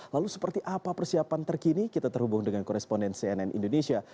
lalu seperti apa persiapan terkini kita terhubung dengan koresponden cnn indonesia